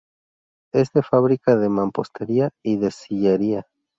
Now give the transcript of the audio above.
Es de fábrica de mampostería y de sillería.